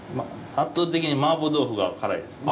圧倒的にマーボ豆腐が辛いですね。